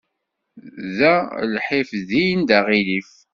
Da lḥif, din d aɣilif.